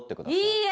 いいえ！